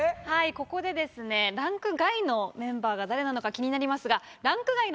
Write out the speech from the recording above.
はいここでランク外のメンバーが誰なのか気になりますが。